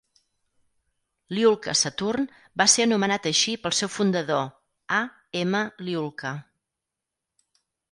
Lyulka-Saturn va ser anomenat així pel seu fundador, A. M. Lyulka.